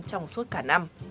trong suốt cả năm